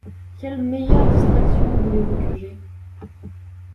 Quelle meilleure distraction voulez-vous que j’aie?